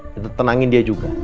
kita tenangin dia juga